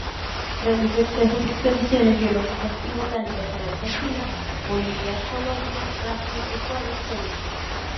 Realizó extensas expediciones biológicas, y botánicas en Argentina, Bolivia, Colombia, Brasil, Ecuador, Perú.